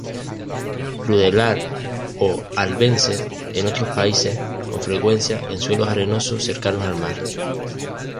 Ruderal o arvense; en otros países con frecuencia en suelos arenosos cercanos al mar.